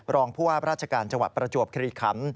รองพัวราชการจังหวัดประจวบคลีขัน